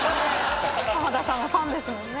浜田さんはファンですもんね。